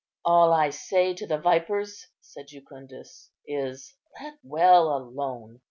"All I say to the vipers," said Jucundus, "is, 'Let well alone.